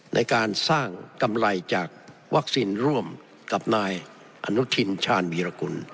ในการสร้างกำไรจากวัคซีนร่วมกับนายอนุทินชาญวีรกุล